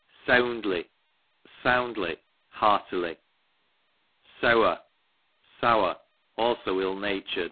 Seawndly, soundly, heartily. Seawr, sour; also ill rmtur'd.